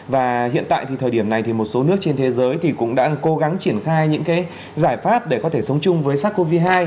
và hiện tại thì thời điểm này thì một số nước trên thế giới thì cũng đang cố gắng triển khai những cái giải pháp để có thể sống chung với sars cov hai